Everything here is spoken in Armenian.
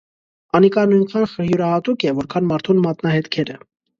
Անիկա նոյնքան իւրայատուկ է, որքան մարդուն մատնահետքերը։